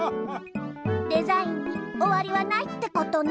デザインにおわりはないってことね。